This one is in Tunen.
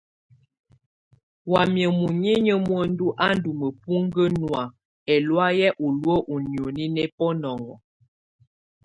Wamɛ̀á munyinyǝ muǝndu á ndù mǝpuŋkǝ nɔ̀á ɛlɔ̀áyɛ u luǝ́ ú nioni nɛ bunɔŋɔ.